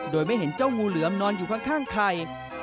โดยไม่เห็นเจ้างูเหลือมนอนอยู่ข้างใคร